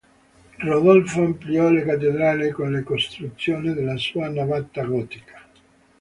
Rodolfo ampliò la cattedrale, con la costruzione della sua navata gotica.